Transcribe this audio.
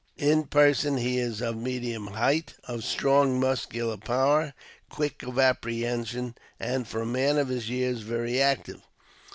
In person he is of medium height, of strong muscular power, quick of apprehension, and, for a man of his years, very active.